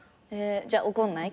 じゃあ怒んない？